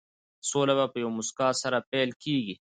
سوله په یوې موسکا سره پيل کېږي.